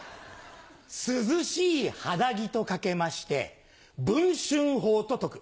涼しい肌着と掛けまして文春砲と解く。